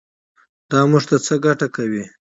دا موږ ته څه ګټه کوي.